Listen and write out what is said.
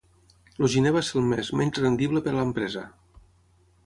El gener va ser el mes menys rendible per a l'empresa.